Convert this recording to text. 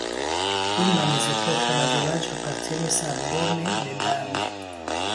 Dum la mezepoko la vilaĝo apartenis al Baume-les-Dames.